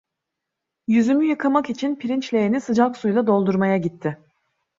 Yüzümü yıkamak için pirinç leğeni sıcak suyla doldurmaya gitti.